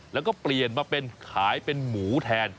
แล้วก็เปลี่ยนมาเป็นขายเป็นหมูแทน